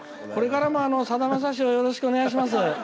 これからもさだまさしをよろしくお願いします。